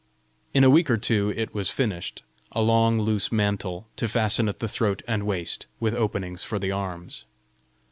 In a week or two it was finished a long loose mantle, to fasten at the throat and waist, with openings for the arms.